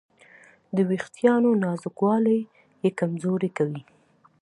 د وېښتیانو نازکوالی یې کمزوري کوي.